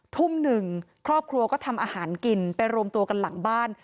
ทุ่มหนึ่งครอบครัวก็ทำอาหารกินไปรวมตัวกันหลังบ้าน